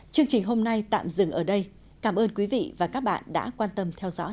chương trình hôm nay tạm dừng ở đây cảm ơn quý vị và các bạn đã quan tâm theo dõi